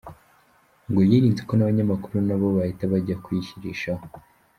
Ngo yirinze ko n’abanyamakuru nabo bahita bajya kuyishyirisha ho.